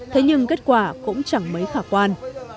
thế nhưng kết quả cũng chẳng mấy khả quan